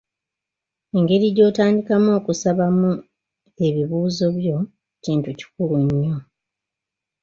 Engeri gy'otandikamu okusabamu ebibuuzo byo kintu kikulu nnyo.